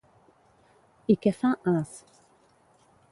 I què fa Az?